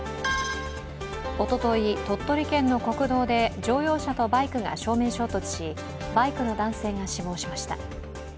おととい、鳥取県の国道で乗用車とバイクが正面衝突し、バイクの男性が死亡しました。